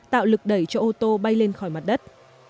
tạo lực đẩy cho ô tô bay lên khỏi mặt đất